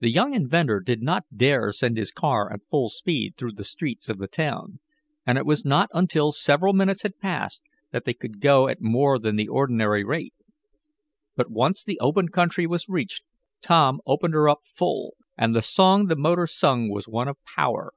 The young inventor did not dare send his car at full speed through the streets of the town, and it was not until several minutes had passed that they could go at more than the ordinary rate. But once the open country was reached Tom "opened her up full," and the song the motor sung was one of power.